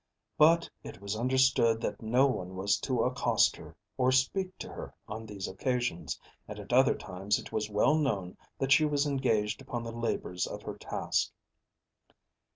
But it was understood that no one was to accost her, or speak to her on these occasions, and at other times it was well known that she was engaged upon the labours of her task.